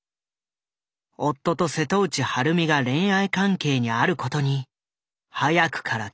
夫と瀬戸内晴美が恋愛関係にあることに早くから気付いていた。